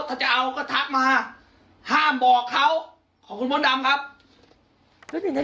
ถ้าจะเอาก็ทักมาห้ามบอกเขา